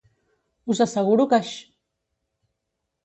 Us asseguro que aix